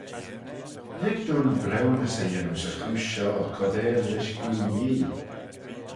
Lhig dooin briwnys y yannoo 'sy chooish shoh cordail rish goo Yee.